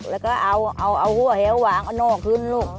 แล้วก็เอาหัวแหวหวางเอานอกขึ้นลูก